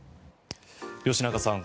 吉永さん